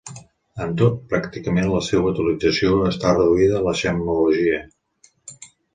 Amb tot, pràcticament la seua utilització està reduïda a la gemmologia.